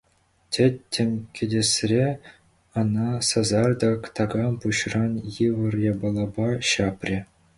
Тӗттӗм кӗтесре ӑна сасартӑк такам пуҫран йывӑр япалапа ҫапрӗ.